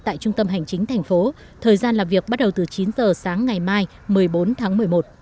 tại trung tâm hành chính thành phố thời gian làm việc bắt đầu từ chín giờ sáng ngày mai một mươi bốn tháng một mươi một